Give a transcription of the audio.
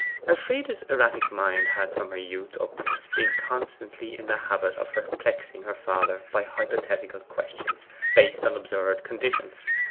Elfride's erratic mind had from her youth upwards been constantly in the habit of perplexing her father by hypothetical questions, based on absurd conditions.